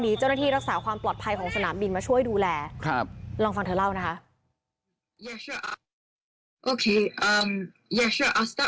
มีเจ้าหน้าที่รักษาความปลอดภัยของสนามบินมาช่วยดูแล